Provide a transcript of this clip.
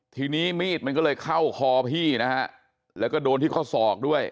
ทีนี้มีดมันก็เลยเข้าคอพี่นะฮะแล้วก็โดนที่ข้อศอกด้วย